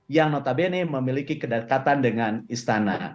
yang notabene memiliki kedekatan dengan istana